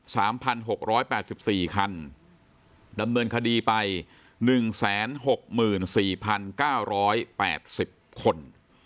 สามพันหกร้อยแปดสิบสี่คันดำเนินคดีไปหนึ่งแสนหกหมื่นสี่พันเก้าร้อยแปดสิบคน